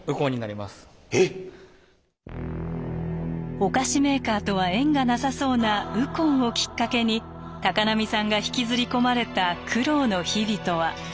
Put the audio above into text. お菓子メーカーとは縁がなさそうなウコンをきっかけに高波さんが引きずり込まれた苦労の日々とは。